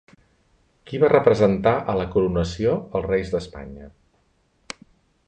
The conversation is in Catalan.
Qui va representar a la coronació els reis d'Espanya?